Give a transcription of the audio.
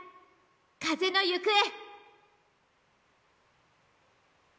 「風のゆくえ」。